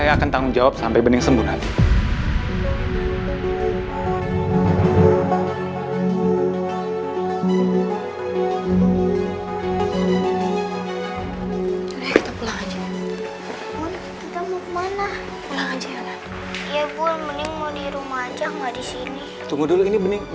saya akan tanggung jawab sampai bening sembuh nanti